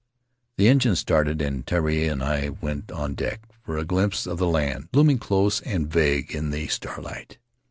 The engine started and Tari and I went on deck for a glimpse of the land, looming close and vague in the starlight.